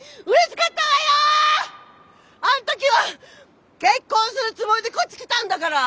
あん時は結婚するつもりでこっち来たんだから！